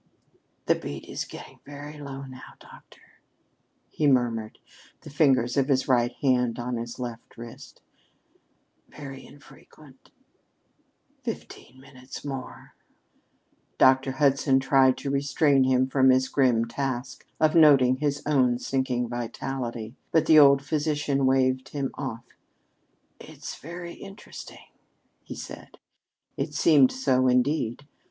"The beat is getting very low now, Doctor," he murmured, the fingers of his right hand on his left wrist; "very infrequent fifteen minutes more " Dr. Hudson tried to restrain him from his grim task of noting his own sinking vitality, but the old physician waved him off. "It's very interesting," he said. It seemed so, indeed.